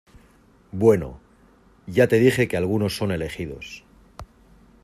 bueno, ya te dije que algunos son elegidos